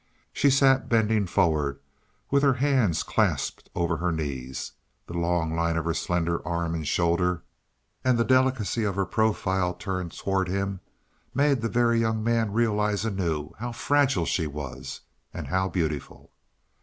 She sat bending forward, with her hands clasped over her knees. The long line of her slender arm and shoulder, and the delicacy of her profile turned towards him, made the Very Young Man realize anew how fragile she was, and how beautiful.